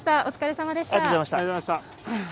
お疲れさまでした。